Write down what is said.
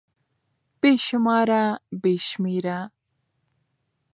بې شماره √ بې شمېره